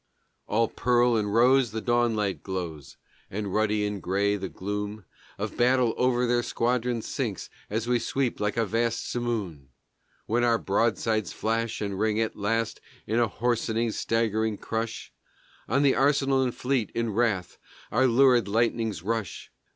All pearl and rose the dawnlight glows, and ruddy and gray the gloom Of battle over their squadron sinks as we sweep like a vast simoom; When our broadsides flash and ring at last in a hoarsening, staggering crush On the arsenal and fleet in wrath our lurid lightnings rush.